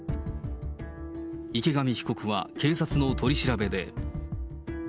池上被告は警察の取り調べで。